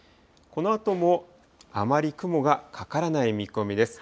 このあともあまり雲がかからない見込みです。